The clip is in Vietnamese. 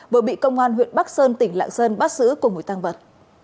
vừa bị công an huyện bắc sơn tỉnh lạng sơn bắt giữ cùng với tăng vật